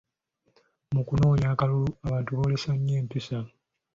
Mu kunoonya akalulu, abantu boolesa nnyo empisa.